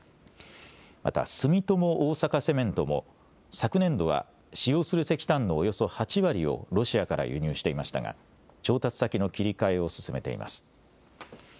また住友大阪セメントも昨年度は使用する石炭のおよそ８割をロシアから輸入していましたが調達先の切り替えを進めています。